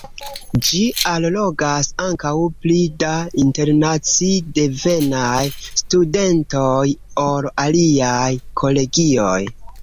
Ĝi allogas ankaŭ pli da internaci-devenaj studentoj ol aliaj kolegioj.